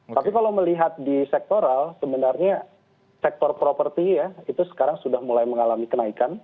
tapi kalau melihat di sektoral sebenarnya sektor properti ya itu sekarang sudah mulai mengalami kenaikan